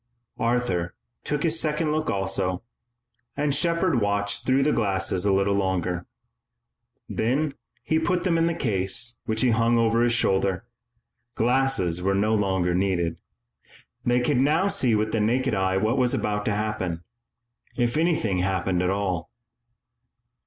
Arthur took his second look also, and Shepard watched through the glasses a little longer. Then he put them in the case which he hung over his shoulder. Glasses were no longer needed. They could now see with the naked eye what was about to happen if anything happened at all.